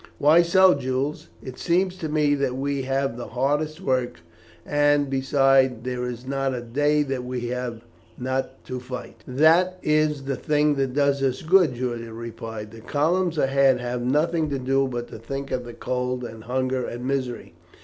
"Why so, Jules? It seems to me that we have the hardest work, and, besides, there is not a day that we have not to fight." "That is the thing that does us good," Julian replied. "The columns ahead have nothing to do but to think of the cold, and hunger, and misery.